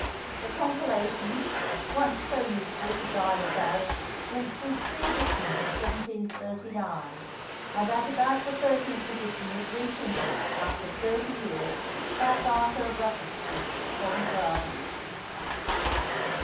The compilation (once so useful to diners out) went through three editions in 1739, and at about the thirteenth edition was reprinted, after thirty years, by Barker, of Russell Street, Covent Garden.